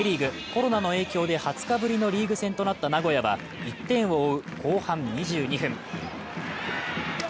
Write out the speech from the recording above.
コロナの影響で２０日ぶりのリーグ戦となった名古屋は１点を追う後半２２分。